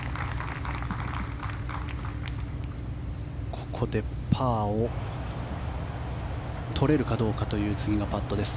ここでパーを取れるかどうかという次のパットです。